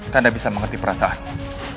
kanda bisa mengerti perasaanmu